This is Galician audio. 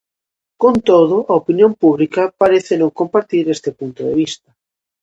Con todo, a opinión pública parece non compartir este punto de vista.